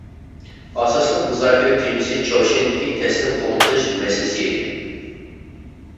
ئاساسلىق مۇزاكىرە تېمىسى چاۋشيەندىكى تەسلىم قوبۇل قىلىش مەسىلىسى ئىدى.